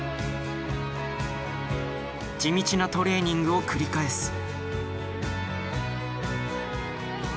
地道なトレーニングを繰り返す。